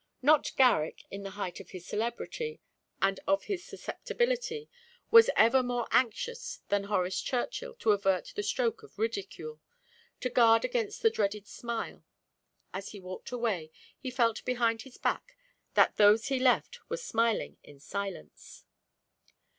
Not Garrick, in the height of his celebrity and of his susceptibility, was ever more anxious than Horace Churchill to avert the stroke of ridicule to guard against the dreaded smile. As he walked away, he felt behind his back that those he left were smiling in silence.